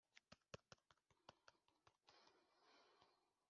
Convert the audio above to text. ndashaka kumenya ko hari icyo ushobora gukora,